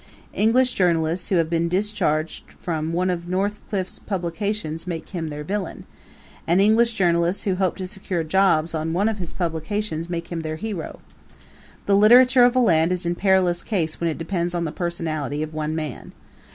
English journalists who have been discharged from one of Northcliffe's publications make him their villian, and English journalists who hope to secure jobs on one of his publications make him their hero. The literature of a land is in perilous case when it depends on the personality of one man.